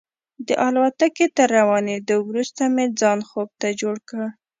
د الوتکې تر روانېدو وروسته مې ځان خوب ته جوړ کړ.